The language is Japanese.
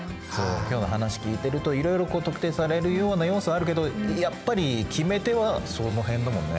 今日の話聞いてるといろいろ特定されるような要素あるけどやっぱり決め手はその辺だもんね。